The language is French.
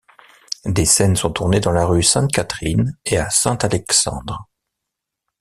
Des scènes sont tournées dans la rue Sainte-Catherine et à Saint-Alexandre.